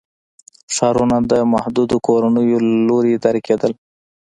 ښارونه د محدودو کورنیو له لوري اداره کېدل.